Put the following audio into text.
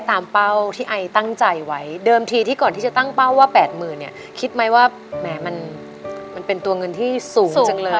ที่จะตั้งเป้าว่า๘๐๐๐๐บาทคิดไหมว่ามันเป็นตัวเงินที่สูงจังเลย